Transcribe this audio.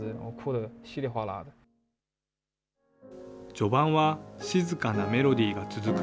序盤は静かなメロディーが続く